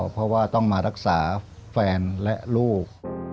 เพราะว่าต้องมารักษาแฟนและลูก